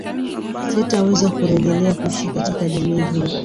Sitaweza kurejea kuishi katika jamii hiyo